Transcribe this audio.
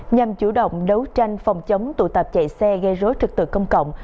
nhằm chủ động đấu tranh phòng chống tụ tạp chạy xe gây rối trực tượng công cộng